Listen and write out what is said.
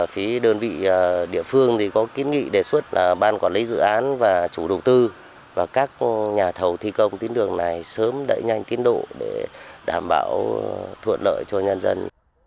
phía đơn vị địa phương thì có kiến nghị đề xuất là ban quản lý dự án và chủ đầu tư và các nhà thầu thi công tín đường này sớm đẩy nhanh tiến độ để đảm bảo thuận lợi cho nhân dân